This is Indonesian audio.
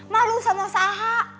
malu sama sahak